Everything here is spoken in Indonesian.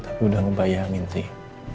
tapi udah ngebayangin sih